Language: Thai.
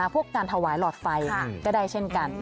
พวกการถวายหลอดไฟก็ได้เช่นกัน